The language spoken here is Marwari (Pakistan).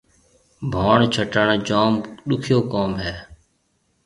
ڀوڻ ڇٽڻ جوم ڏُکيو ڪوم هيَ۔